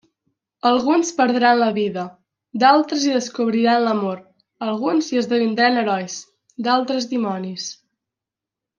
Alguns perdran la vida, d'altres hi descobriran l'amor; alguns hi esdevindran herois, d'altres dimonis.